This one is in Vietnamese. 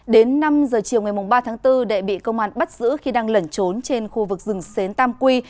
đến năm giờ chiều ngày ba tháng bốn đệ bị công an bắt giữ khi đang lẩn trốn trên khu vực rừng xến tam quy